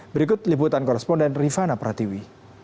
berikut liputan koresponden rifana pratiwi